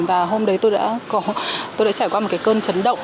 và hôm đấy tôi đã trải qua một cái cơn chấn động